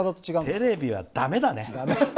テレビは、だめだね。